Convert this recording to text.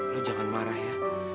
lo jangan marah ya